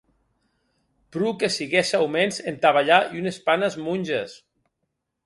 Pro que siguesse aumens entà balhar un espant as monges!